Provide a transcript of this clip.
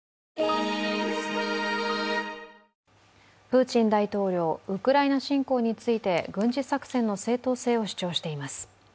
プーチン大統領、ウクライナ侵攻について、軍事作戦の正当性を主張しています。